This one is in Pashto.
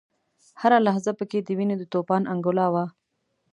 هره لحظه په کې د وینو د توپان انګولا وه.